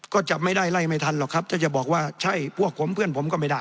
ก็จะไม่ได้ไล่ไม่ทันหรอกครับถ้าจะบอกว่าใช่พวกผมเพื่อนผมก็ไม่ได้